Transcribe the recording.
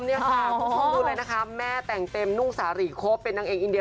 คุณผู้ชมดูเลยนะคะแม่แต่งเต็มนุ่งสาหรี่โคบเป็นดังเองอินเดีย